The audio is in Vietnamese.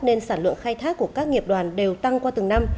nên sản lượng khai thác của các nghiệp đoàn đều tăng qua từng năm